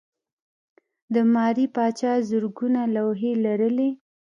د ماري پاچا زرګونه لوحې لرلې.